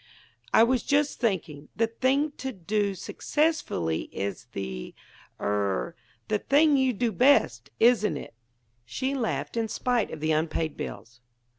"I was just thinking: the thing to do successfully is the er the thing you do best, isn't it?" She laughed, in spite of the unpaid bills.